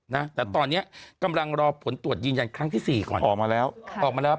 นะแต่ตอนเนี้ยกำลังรอผลตรวจยืนยันครั้งที่สี่ก่อนออกมาแล้วออกมาแล้ว